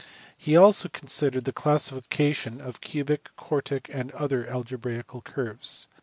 He also considered the classification of cubic, quartic, and other algebraical curves.